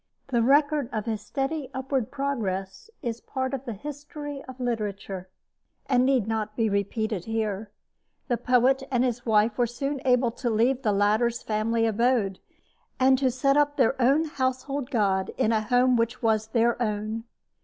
The record of his steady upward progress is a part of the history of literature, and need not be repeated here. The poet and his wife were soon able to leave the latter's family abode, and to set up their own household god in a home which was their own.